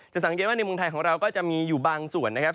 สังเกตว่าในเมืองไทยของเราก็จะมีอยู่บางส่วนนะครับ